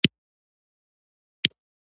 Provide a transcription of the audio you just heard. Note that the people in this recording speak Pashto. داود خان نه غوښتل لانجه پر روابطو سیوری وغوړوي.